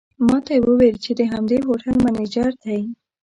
ماته یې وویل چې د همدې هوټل منیجر دی.